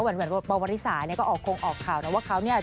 แหวนปวริสาเนี่ยก็ออกคงออกข่าวนะว่าเขาเนี่ย